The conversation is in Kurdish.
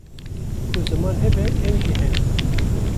ku ziman hebe em jî henin